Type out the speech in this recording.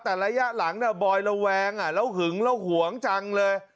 แต่ระยะหลังบอยระแวงแล้วหึงแล้วหวงจังเลย